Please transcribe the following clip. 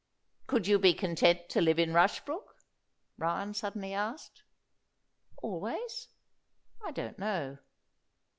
"Could you be content to live in Rushbrook?" Ryan suddenly asked. "Always? I don't know."